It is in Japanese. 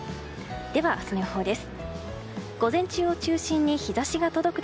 では、明日の予報です。